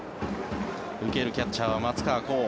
受けるキャッチャーは松川虎生。